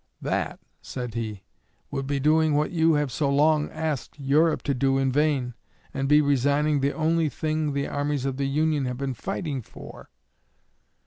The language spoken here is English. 'That,' said he, 'would be doing what you have so long asked Europe to do in vain, and be resigning the only thing the armies of the Union have been fighting for.'